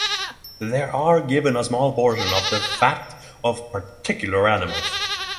They are given a small portion of the fat of particular animals.